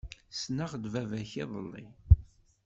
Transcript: Ssneɣ-d baba-k iḍelli.